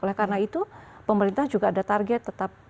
oleh karena itu pemerintah juga ada target tetap